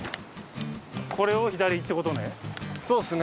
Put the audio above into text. これを左ってことね。